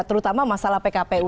terutama masalah pkpu